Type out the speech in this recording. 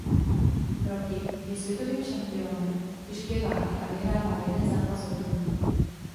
Rocky je světovým šampiónem těžké váhy a vyhrává jeden zápas za druhým.